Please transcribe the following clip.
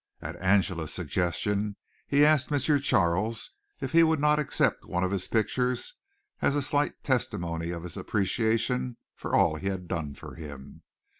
At Angela's suggestion he asked M. Charles if he would not accept one of his pictures as a slight testimony of his appreciation for all he had done for him.